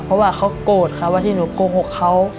เพราะว่าเขาโกรธค่ะว่าที่หนูโกหกเขา